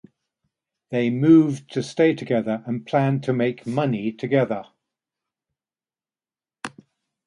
They moved to stay together and planned to make money together.